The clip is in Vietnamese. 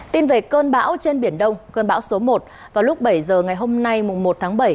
tin về cơn bão trên biển đông cơn bão số một vào lúc bảy giờ ngày hôm nay một tháng bảy